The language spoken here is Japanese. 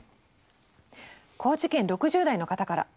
高知県６０代の方から。